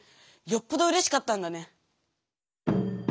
よっぽどうれしかったんだね。